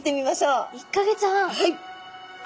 はい。